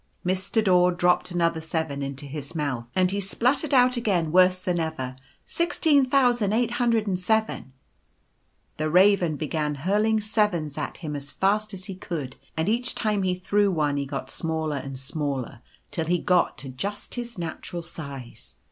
*^ Mr. Daw dropped another Seven into his mouth, and he spluttered out again worse than ever, "Sixteen thousand eight hundred and seven." The Raven began hurling Sevens at him as fast as he could ; and each time he threw one he grew smaller and smaller, till he got to just his natural size.